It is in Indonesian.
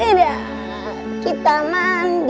udah kita mandi